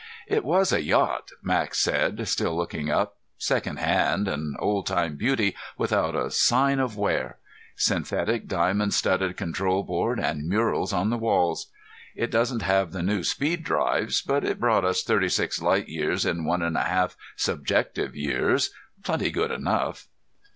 "It was a yacht," Max said, still looking up, "second hand, an old time beauty without a sign of wear. Synthetic diamond studded control board and murals on the walls. It doesn't have the new speed drives, but it brought us thirty six light years in one and a half subjective years. Plenty good enough."